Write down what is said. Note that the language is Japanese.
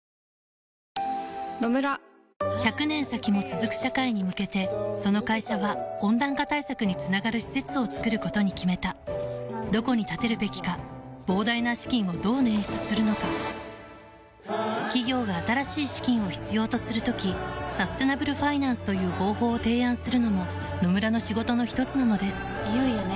１００年先も続く社会に向けてその会社は温暖化対策につながる施設を作ることに決めたどこに建てるべきか膨大な資金をどう捻出するのか企業が新しい資金を必要とする時サステナブルファイナンスという方法を提案するのも野村の仕事のひとつなのですいよいよね。